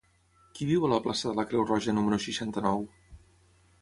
Qui viu a la plaça de la Creu Roja número seixanta-nou?